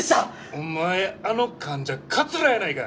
お前あの患者カツラやないか！